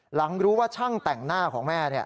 หลังรู้ว่าช่างแต่งหน้าของแม่